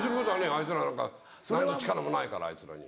あいつらなんか何の力もないからあいつらに。